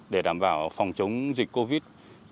để đảm bảo phòng chống dịch covid